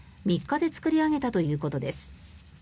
３日で作り上げたということです。